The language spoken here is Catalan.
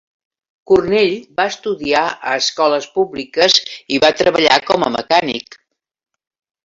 Cornell va estudiar a escoles públiques i va treballar com a mecànic.